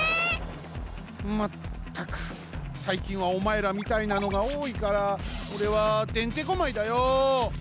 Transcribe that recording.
まったくさいきんはおまえらみたいなのがおおいからオレはてんてこまいだよ！